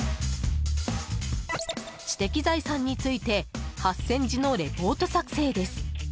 知的財産について８０００字のレポート作成です。